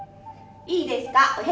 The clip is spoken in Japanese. いいですか？